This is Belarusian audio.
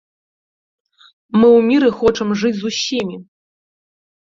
Мы ў міры хочам жыць з усімі.